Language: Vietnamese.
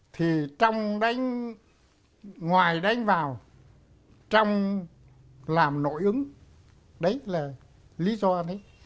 thì trong đánh ngoài đánh vào trong làm nội ứng đấy là lý do đấy